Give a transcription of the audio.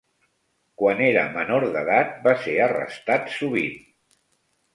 Quan era menor d'edat, va ser arrestat sovint.